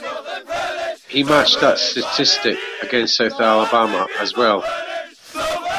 He matched that statistic against South Alabama as well.